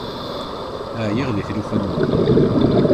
Ɛyiɣ di tlufa-nwen.